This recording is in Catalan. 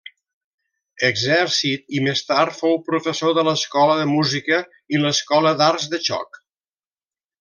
Exèrcit, i més tard fou professor de l'escola de música i l'Escola d'Arts de xoc.